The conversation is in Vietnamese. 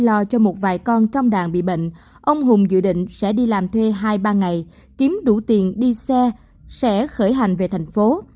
lo cho một vài con trong đàn bị bệnh ông hùng dự định sẽ đi làm thuê hai ba ngày kiếm đủ tiền đi xe sẽ khởi hành về thành phố